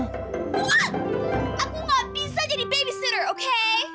aku gak bisa jadi babysitter okay